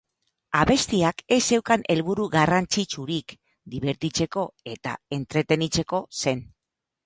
Abestiak ez zeukan helburu garrantzitsurik, dibertitzeko eta entretenitzeko zen.